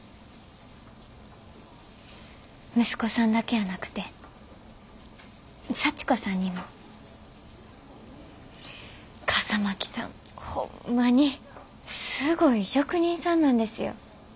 息子さんだけやなくて佐知子さんにも。笠巻さんホンマにすごい職人さんなんですよ。